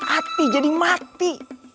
ati jadi mati